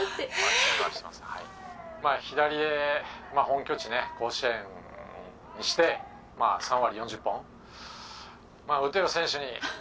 テレビ「まぁ左で本拠地ね甲子園にしてまぁ３割４０本打てる選手に」